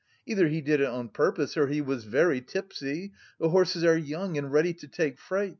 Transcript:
Either he did it on purpose or he was very tipsy.... The horses are young and ready to take fright...